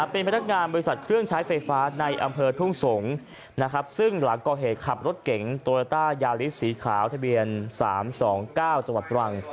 เป็นพนักงานบริษัทเครื่องใช้ไฟฟ้าในอำเภอทุ่งสงศ์ซึ่งหลังก่อเหตุขับรถเก๋งโตโยต้ายาลิสสีขาวทะเบียน๓๒๙จังหวัดตรัง